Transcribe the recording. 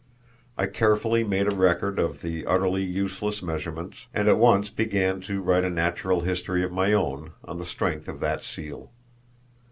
I carefully made a record of the utterly useless measurements, and at once began to write a natural history of my own, on the strength of that seal.